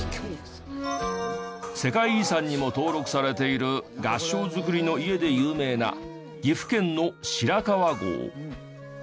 世界遺産にも登録されている合掌造りの家で有名な岐阜県の白川郷。